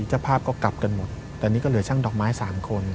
เจ้าภาพก็กลับกันหมดแต่นี่ก็เหลือช่างดอกไม้สามคน